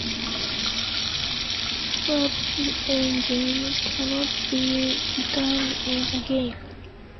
Swapped engines cannot be retuned in the game.